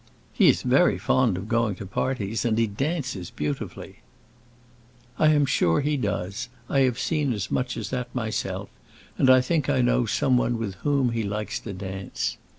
"He is very fond of going to parties, and he dances beautifully." "I am sure he does. I have seen as much as that myself, and I think I know some one with whom he likes to dance."